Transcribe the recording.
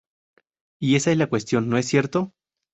Y esa es la cuestión no es cierto?